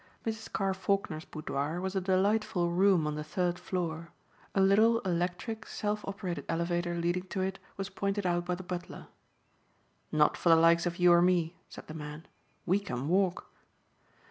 Mrs. Carr Faulkner's boudoir was a delightful room on the third floor. A little electric, self operated elevator leading to it was pointed out by the butler. "Not for the likes of you or me," said the man. "We can walk."